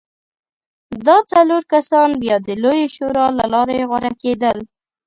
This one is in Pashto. دا څلور کسان بیا د لویې شورا له لارې غوره کېدل.